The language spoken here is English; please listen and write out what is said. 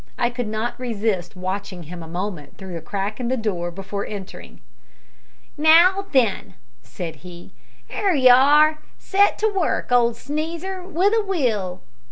I could not resist watching him a moment through a crack in the door before entering. "Now then," said he, "'ere you are! Set to work, old Sneezer, with a will!"